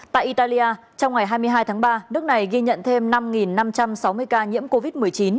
tại italia trong ngày hai mươi hai tháng ba nước này ghi nhận thêm năm năm trăm sáu mươi ca nhiễm covid một mươi chín